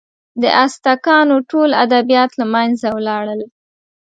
د ازتکانو ټول ادبیات له منځه ولاړل.